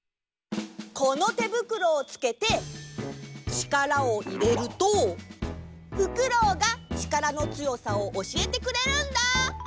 このてぶくろをつけて力をいれるとフクロウが力の強さを教えてくれるんだ！